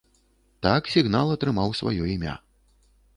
Так сігнал атрымаў сваё імя.